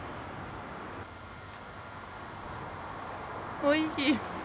おいしい！